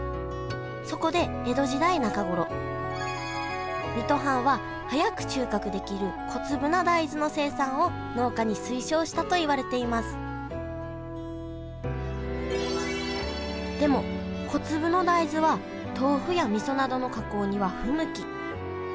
そこで江戸時代中頃水戸藩は早く収穫できる小粒な大豆の生産を農家に推奨したといわれていますでも小粒の大豆は豆腐やみそなどの加工には不向き。